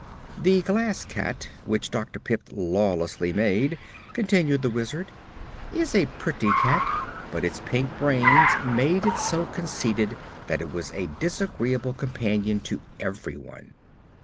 "The Glass Cat, which Dr. Pipt lawlessly made," continued the Wizard, "is a pretty cat, but its pink brains made it so conceited that it was a disagreeable companion to everyone.